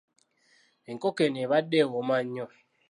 Enkoko eno ebadde ewooma nnyo.